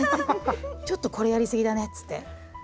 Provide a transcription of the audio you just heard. ちょっとこれやりすぎだねっつって。